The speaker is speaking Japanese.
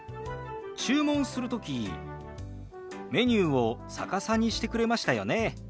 注文する時メニューを逆さにしてくれましたよね。